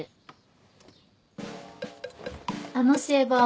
あのシェーバー